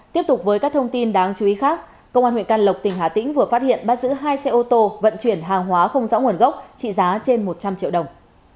tiếp tục với các thông tin đáng chú ý khác công an huyện can lộc tỉnh hà tĩnh vừa phát hiện bắt giữ hai xe ô tô vận chuyển hàng hóa không rõ nguồn gốc trị giá trên một trăm linh triệu đồng